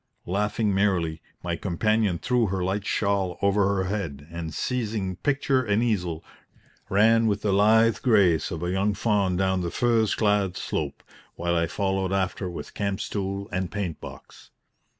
Laughing merrily, my companion threw her light shawl over her head, and, seizing picture and easel, ran with the lithe grace of a young fawn down the furze clad slope, while I followed after with camp stool and paint box.